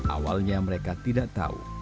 awalnya mereka tidak tahu